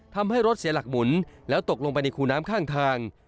ทำให้รถเสียหลักหมุนและตกลงมาไล่ข้างทาง